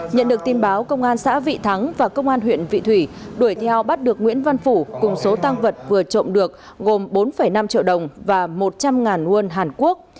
nhận được tin báo công an xã vị thắng và công an huyện vị thủy đuổi theo bắt được nguyễn văn phủ cùng số tăng vật vừa trộm được gồm bốn năm triệu đồng và một trăm linh won hàn quốc